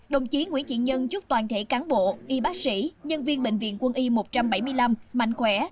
đồng chí nguyễn thị nhân chúc toàn thể cán bộ y bác sĩ nhân viên bệnh viện quân y một trăm bảy mươi năm mạnh khỏe